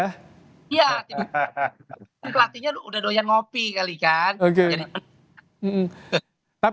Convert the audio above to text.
kelatinya udah doyan ngopi kali kan